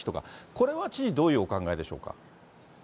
これは知事、どういうお考えでしょうか。